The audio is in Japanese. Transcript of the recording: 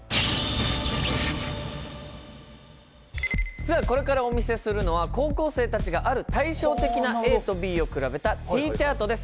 さあこれからお見せするのは高校生たちがある対照的なＡとＢを比べたＴチャートです。